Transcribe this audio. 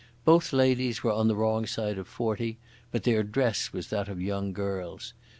Both ladies were on the wrong side of forty, but their dress was that of young girls.